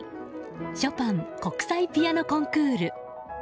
ショパン国際ピアノコンクール。